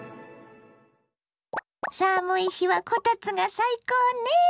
寒い日はこたつが最高ね。